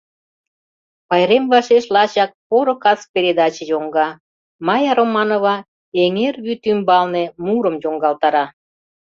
Пайрем вашеш лачак «Поро кас» передаче йоҥга, Майя Романова «Эҥер вӱд ӱмбалне» мурым йоҥгалтара.